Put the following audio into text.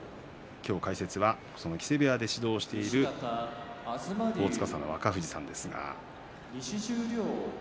今日の解説は木瀬部屋で指導している皇司の若藤さんです。